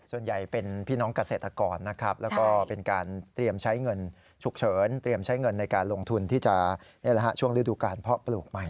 ปัญญัยเป็นพี่น้องเกษตรกรนะครับ